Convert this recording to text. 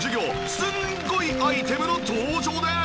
すんごいアイテムの登場です！